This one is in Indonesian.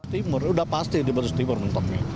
timur sudah pasti di brebes timur menurut saya